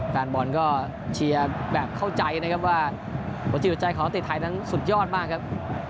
แฟนบอลก็เชียร์แบบเข้าใจนะครับว่าหัวจิตหัวใจของนักเตะไทยนั้นสุดยอดมากครับ